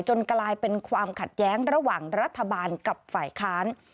กลายเป็นความขัดแย้งระหว่างรัฐบาลกับฝ่ายค้าน